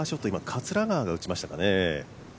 桂川が打ちましたかね。